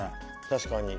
確かに。